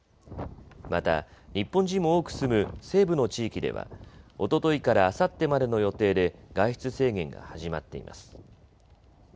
また、日本人も多く住む西部の地域ではおとといからあさってまでの予定で外出制限が始まっています。